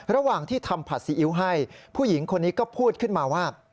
ระหว่างที่ทำผัดซีอิ๊วให้ผู้หญิงคนนี้ก็พูดขึ้นมาว่า